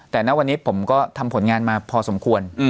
แต่ณวันนี้ผมก็ทำผลงานมาพอสมควร